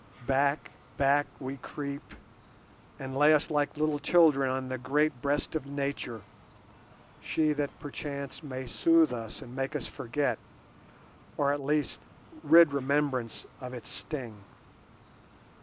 Back, back, we creep, and lay us like little children on the great breast of Nature, she that perchance may soothe us and make us forget, or at least rid remembrance of its sting.